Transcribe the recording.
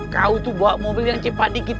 kau tuh bawa mobil yang cepat dikit